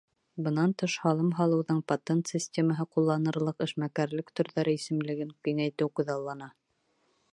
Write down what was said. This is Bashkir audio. Бынан тыш, һалым һалыуҙың патент системаһы ҡулланылырлыҡ эшмәкәрлек төрҙәре исемлеген киңәйтеү күҙаллана.